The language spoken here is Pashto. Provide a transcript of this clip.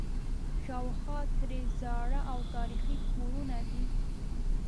شاوخوا ترې زاړه او تاریخي کورونه دي.